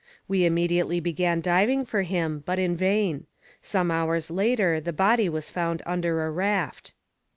We immediately began diving for him, but in vain; some hours later the body was found under a raft.